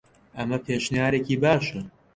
ئەمە پێشنیارێکی باشە.